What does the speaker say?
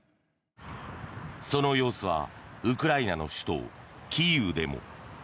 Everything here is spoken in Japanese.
その様子はウクライナの首都キーウでも。